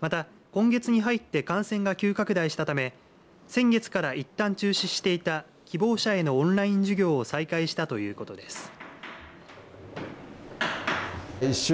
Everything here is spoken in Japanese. また、今月に入って感染が急拡大したため先月からいったん中止していた希望者へのオンライン授業を再開したということです。